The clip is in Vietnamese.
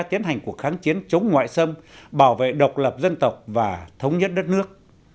tiến hành cuộc kháng chiến chống ngoại xâm bảo vệ độc lập dân tộc và thống nhất đất nước